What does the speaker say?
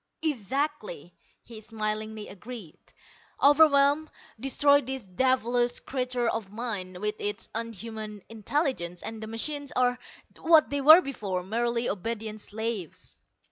"Exactly," he smilingly agreed. "Overwhelm, destroy this devilish creature of mine, with its unhuman intelligence, and the machines are what they were before: merely obedient slaves."